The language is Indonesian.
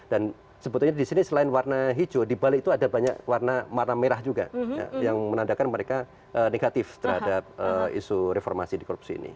dan sebetulnya di sini selain warna hijau dibalik itu ada banyak warna merah juga yang menandakan mereka negatif terhadap isu reformasi di korupsi ini